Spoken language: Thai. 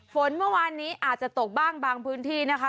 ฝนเมื่อวานนี้อาจจะตกบ้างบางพื้นที่นะคะ